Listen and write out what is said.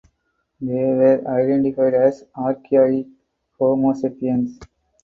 They were identified as archaic "Homo sapiens".